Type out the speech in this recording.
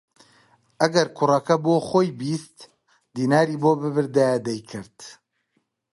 ئەگەر کوڕەکە بۆ خۆی بیست دیناری بۆ ببردایە دەیکرد